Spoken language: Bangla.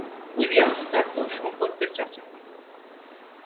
উইলিয়ামস তার দূর সম্পর্কের চাচা হন।